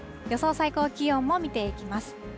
最高気温も見ていきます。